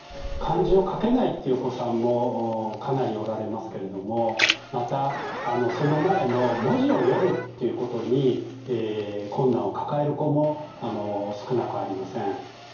漢字を書けないっていうお子さんもかなりおられますけれどもまたその前の文字を読むっていうことに困難を抱える子も少なくありません。